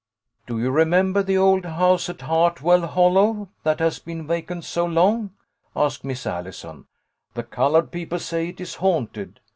" Do you remember the old house at Hart well Hollow that has been vacant so long ?" asked Miss HOME LESSONS 14 1 Allison. " The coloured people say it is haunted.